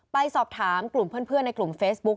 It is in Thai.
ไปสอบถามกลุ่มเพื่อนในกลุ่มเฟซบุ๊ค